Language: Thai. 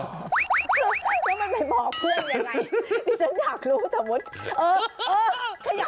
แล้วมันไปบอกเพื่อนยังไงที่ฉันอยากรู้สมมุติเออเออถ้าอยากรู้ก็ไม่รู้